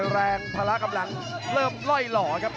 แรงภาระกำลังเริ่มล่อยหล่อครับ